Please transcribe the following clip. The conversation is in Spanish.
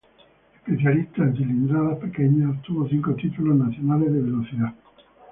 Especialista en cilindradas pequeñas, obtuvo cinco títulos nacionales de velocidad.